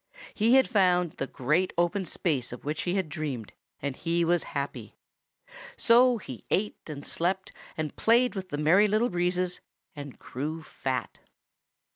He had found the great open space of which he had dreamed, and he was happy. So he ate and slept and played with the Merry Little Breezes and grew fat.